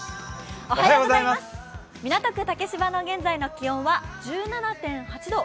港区竹芝の現在の気温は１７．８度。